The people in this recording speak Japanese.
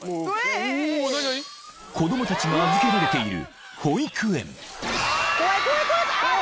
［子供たちが預けられている］